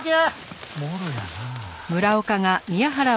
もろやなあ。